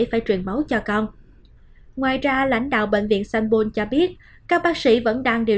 phải truyền máu cho con ngoài ra lãnh đạo bệnh viện sanbul cho biết các bác sĩ vẫn đang điều